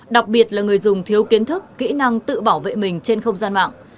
đặc biệt là người dùng thiếu kiến thức kỹ năng tự bảo vệ mình trên không gian mạng